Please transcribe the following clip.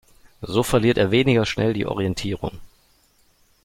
So verliert er weniger schnell die Orientierung.